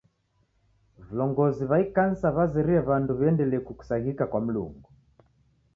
Vilongozi w'a ikanisa w'azerie w'andu wiendelie kukusaghika kwa Mlungu.